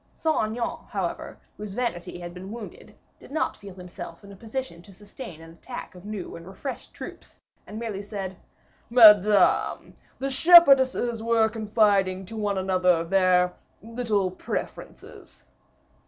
Saint Aignan, however, whose vanity had been wounded, did not feel himself in a position to sustain an attack of new and refreshed troops, and merely said, "Madame, the shepherdesses were confiding to one another their little preferences."